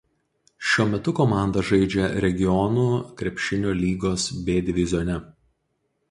Šiuo metu komanda žaidžia Regionų krepšinio lygos B divizione.